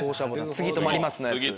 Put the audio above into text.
次止まりますのやつ。